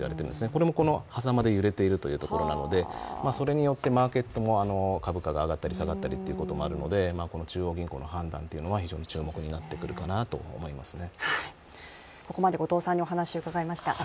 これもこのはざまで揺れているというところなので、それによってマーケットも株価が上がったり下がったりがあるのでこの中央銀行の判断というのは非常に注目になってくるかなと思いますね。